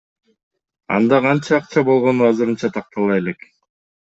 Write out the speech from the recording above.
Анда канча акча болгону азырынча тактала элек.